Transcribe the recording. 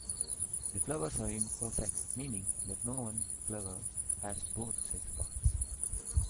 The flowers are imperfect, meaning that no one flower has both sex parts.